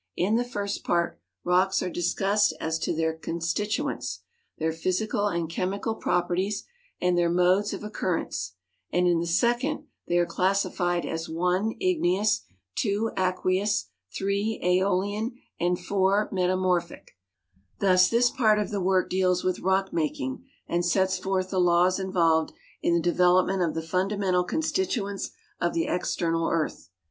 In the first part rock's are discussed as to their constituents, their physical and chemical properties, and their modes of occurrence, and in the second they are classified as (1) igneous, (2) aqueous, (3) seolian, and (4) metamorphic ; thus this part of the work deals with rock making, and sets forth the laws involved in the development of the fundamental constituents of the external earth.